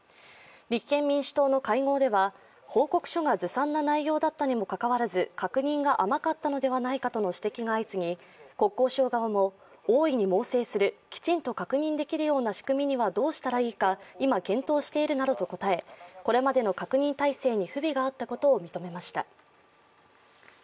立憲民主党の会合では報告書がずさんな内容だったにもかかわらず確認が甘かったのではないかとの指摘が相次ぎ、国交省側も、大いに猛省する、きちんと確認できるような仕組みにはどうしたらいいか今、検討しているなどと応えこれまでの確認体制に不備があったことを認めました。